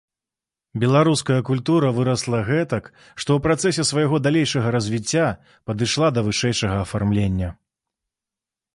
Беларуская культура вырасла гэтак, што ў працэсе свайго далейшага развіцця падышла да вышэйшага афармлення.